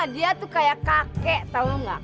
dia tuh kayak kakek tau gak